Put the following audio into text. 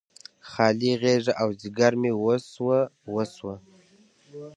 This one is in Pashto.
خالي غیږه او ځیګر مې وسوه، وسوه